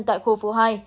tại khu phố hai